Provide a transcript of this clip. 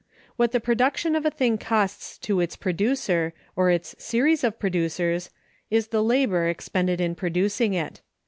What the production of a thing costs to its producer, or its series of producers, is the labor expended in producing it.